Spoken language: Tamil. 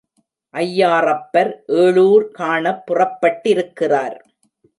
ஐயாறப்பர் ஏழூர் காணப் புறப்பட்டிருக்கிறார்.